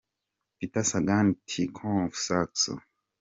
Peter Sagan - Tinkoff - Saxo.